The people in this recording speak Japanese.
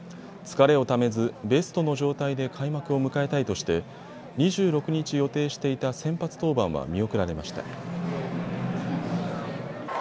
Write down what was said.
疲れをためずベストの状態で開幕を迎えたいとして２６日予定していた先発登板は見送られました。